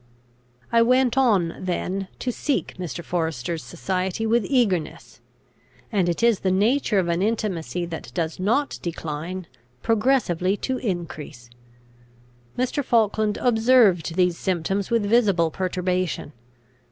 I went on, then, to seek Mr. Forester's society with eagerness; and it is the nature of an intimacy that does not decline, progressively to increase. Mr. Falkland observed these symptoms with visible perturbation.